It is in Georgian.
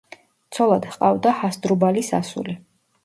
ცოლად ჰყავდა ჰასდრუბალის ასული.